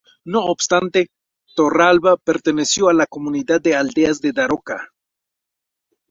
No obstante, Torralba perteneció a la comunidad de aldeas de Daroca.